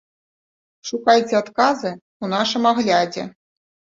Шукайце адказы ў нашым аглядзе.